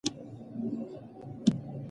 که نجونې ممتازې وي نو صفت به نه کمیږي.